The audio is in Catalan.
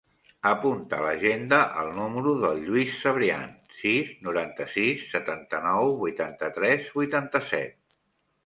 Apunta a l'agenda el número del Lluís Cebrian: sis, noranta-sis, setanta-nou, vuitanta-tres, vuitanta-set.